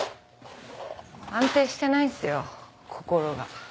安定してないんすよ心が。